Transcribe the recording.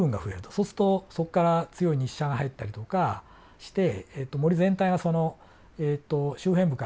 そうするとそこから強い日射が入ったりとかして森全体がその周辺部から乾いてくるんですよね。